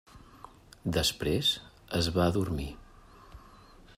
Després es va adormir.